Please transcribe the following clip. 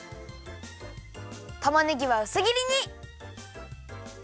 たまねぎはうすぎりに。